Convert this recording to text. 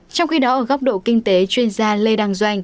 trong khi đó ở góc độ kinh tế chuyên gia lê đăng doanh